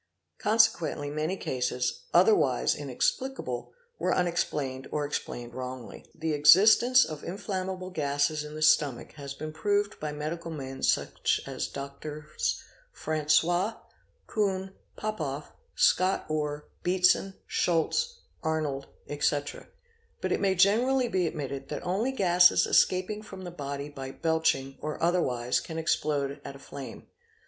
Consequently many cases, | otherwise inexplicable, were unexplained or explained wrongly. The existence of inflammable gases in the stomach has been proved _ by medical men such as Drs. Francois, Kuhn, Popoff, Scott Orr, Beatson Schulze, Arnold, etc.,"*" but it may generally be admitted that only gases escaping from the body by belching or otherwise can explode at a flame.